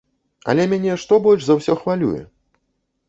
Але мяне што больш за ўсё хвалюе?